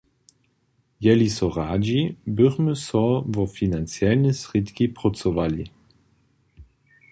Jeli so radźi, bychmy so wo financne srědki prócowali.